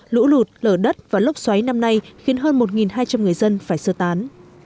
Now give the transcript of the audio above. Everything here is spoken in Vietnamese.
lũ lụt lở đất và lốc xoáy năm nay khiến hơn một hai trăm linh người dân phải sơ tán